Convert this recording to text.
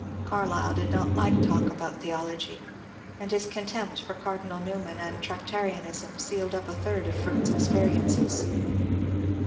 Carlyle did not like talk about theology, and his contempt for Cardinal Newman and Trac tarianism sealed up a third of Fronde's experiences.